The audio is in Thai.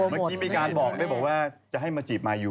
เมื่อกี้มีการบอกด้วยบอกว่าจะให้มาจีบมายู